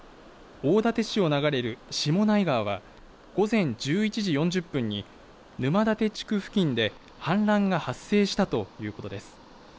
大館市を流れる下内川は午前１１時４０分に沼館地区付近で氾濫が発生したということです。